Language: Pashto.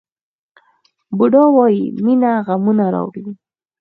بودا وایي مینه غمونه راوړي.